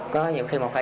có nhiều khi màu khói